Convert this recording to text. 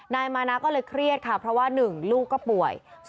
นายมานะก็เลยเครียดค่ะเพราะว่า๑ลูกก็ป่วย